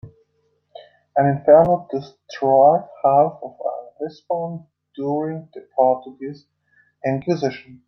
An inferno destroyed half of Lisbon during the Portuguese inquisition.